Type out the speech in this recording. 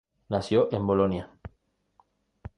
Nació en Bolonia.